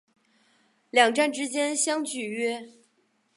两站之间相距约。